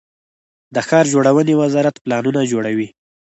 د ښار جوړونې وزارت پلانونه جوړوي